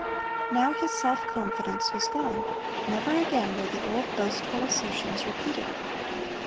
Now his self confidence was gone. Never again were the old boastful assertions repeated.